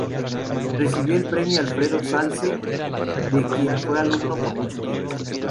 Recibió el premio Alfredo Zalce, de quien fue alumno por mucho tiempo.